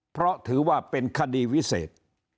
เพราะถือว่าเป็นคดีวิเศษ